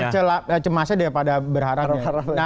lebih banyak cemasnya daripada berharapnya